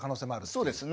そうですね。